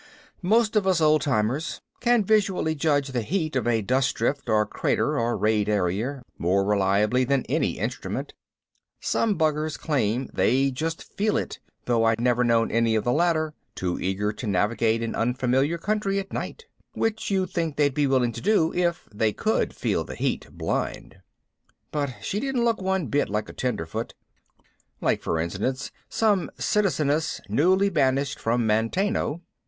Most of us old timers can visually judge the heat of a dust drift or crater or rayed area more reliably than any instrument. Some buggers claim they just feel it, though I've never known any of the latter too eager to navigate in unfamiliar country at night which you'd think they'd be willing to do if they could feel heat blind. But she didn't look one bit like a tenderfoot like for instance some citizeness newly banished from Manteno.